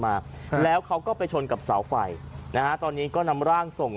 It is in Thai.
มาแล้วเขาก็ไปชนกับเสาไฟนะฮะตอนนี้ก็นำร่างส่ง